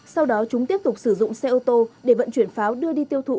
sau đó chúng tiếp tục sử dụng xe ô tô để vận chuyển pháo đưa đi tiêu thụ